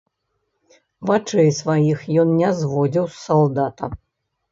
Вачэй сваіх ён не зводзіў з салдата.